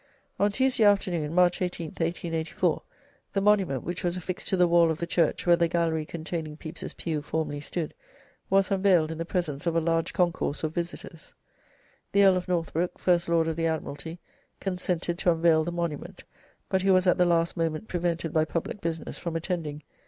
On Tuesday afternoon, March 18th, 1884, the monument, which was affixed to the wall of the church where the gallery containing Pepys's pew formerly stood, was unveiled in the presence of a large concourse of visitors. The Earl of Northbrook, First Lord of the Admiralty, consented to unveil the monument, but he was at the last moment prevented by public business from attending.